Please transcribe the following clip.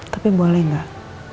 tapi boleh gak